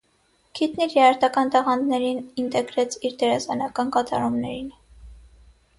Քիթն իր երաժշտական տաղանդներն ինտեգրեց իր դերասանական կատարումներին։